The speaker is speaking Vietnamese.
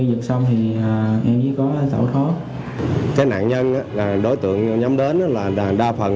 ba trong ba cụ walid có tên đcia đạo tự nhiên đều và thực hiện ra một phần